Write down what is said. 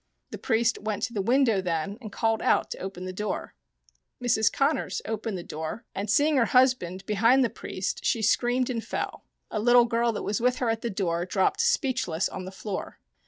The priest went to the window then and called out to open the door. Mrs. Connors opened the door, and seeing her hus Fitzgerald and Daniel O'Donohue 17 band behind the priest she screamed and fell : a little girl that was with her at the door dropped speechless on the floor.